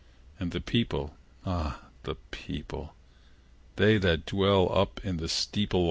And the people ah, the people They that dwell up in the steeple.